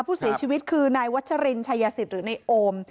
ผู้เสียชีวิตคือนายวัชรินชายศิษย์หรือในโอม